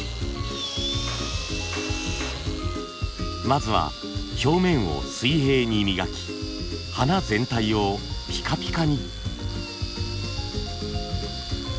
まずは表面を水平に磨き花全体をピカピカに。